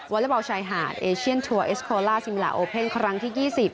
บอลชายหาดเอเชียนทัวร์เอสโคล่าชิงลาโอเพ่นครั้งที่๒๐